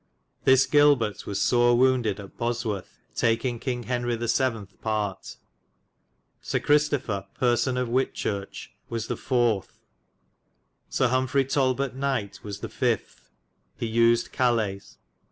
This Gilbert was sore woundyd at Bosworthe, takynge Kynge Henry the 7. parte. Syr Christopher, persone of Whitechurche was the 4. Syr Humfrey Talbote Knyght was the 5. He usyd Calays.